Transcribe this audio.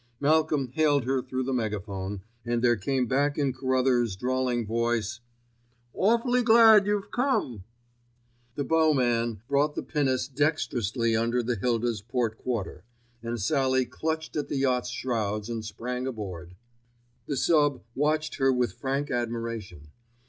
Malcolm hailed her through the megaphone, and there came back in Carruthers' drawling voice: "Awfully glad you've come!" The bowman brought the pinnace dexterously under the Hilda's port quarter, and Sallie clutched at the yacht's shrouds and sprang aboard. The sub. watched her with frank admiration.